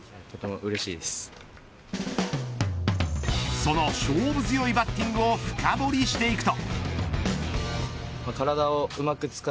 その勝負強いバッティングを深堀りしていくと。